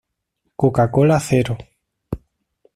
Coca-Cola Zero".